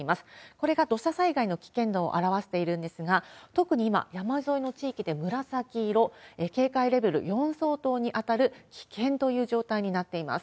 これが土砂災害の危険度を表しているんですが、特に今、山沿いの地域で紫色、警戒レベル４相当に当たる危険という状態になっています。